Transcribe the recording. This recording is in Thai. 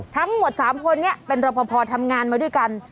ทั้งหมดสามคนเนี่ยเป็นรปภทำงานมาด้วยกัน